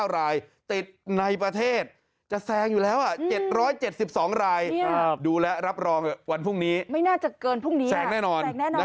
๙รายติดในประเทศจะแซงอยู่แล้ว๗๗๒รายดูและรับรองวันพรุ่งนี้ไม่น่าจะเกินพรุ่งนี้แซงแน่นอน